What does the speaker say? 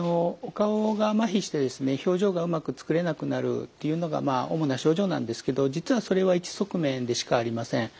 表情がうまくつくれなくなるというのが主な症状なんですけど実はそれは一側面でしかありません。